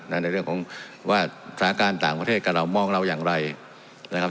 ในเรื่องของว่าสถานการณ์ต่างประเทศกับเรามองเราอย่างไรนะครับ